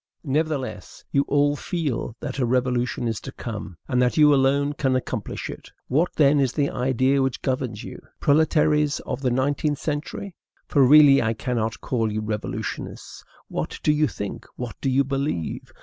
Nevertheless, you all feel that a revolution is to come, and that you alone can accomplish it. What, then, is the idea which governs you, proletaires of the nineteenth century? for really I cannot call you revolutionists. What do you think? what do you believe?